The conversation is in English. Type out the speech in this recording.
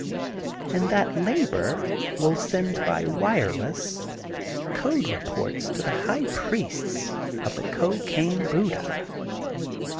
But that labor'* will send by wire less, code reports to the high priests of the Cocaine Buddha.